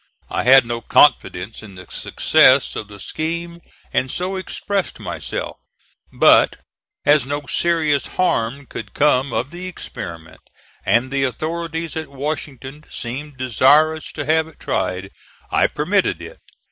I had no confidence in the success of the scheme, and so expressed myself; but as no serious harm could come of the experiment, and the authorities at Washington seemed desirous to have it tried, I permitted it.